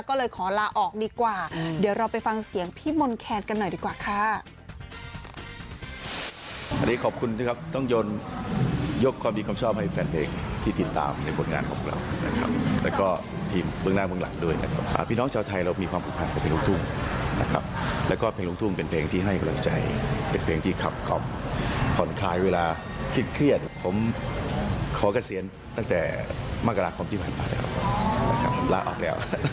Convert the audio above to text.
ก็เลยขอลาออกดีกว่าเดี๋ยวเราไปฟังเสียงพี่มนต์แคนกันหน่อยดีกว่าค่ะ